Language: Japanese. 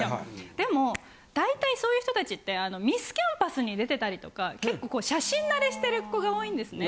でも大体そういう人達ってミスキャンパスに出てたりとか結構写真慣れしてる子が多いんですね。